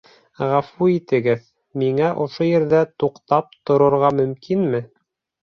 Ғәфү итегеҙ, миңә ошо ерҙә туҡтап торорға мөмкинме?